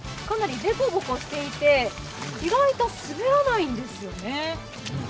かなり凸凹していて意外と滑らないんですよね。